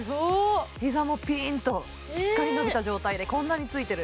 ひざもピーンとしっかり伸びた状態でこんなについてる。